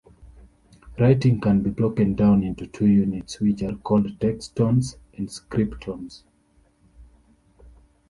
Writing can be broken down into two units which are called textons and scriptons.